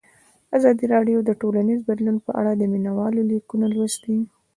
ازادي راډیو د ټولنیز بدلون په اړه د مینه والو لیکونه لوستي.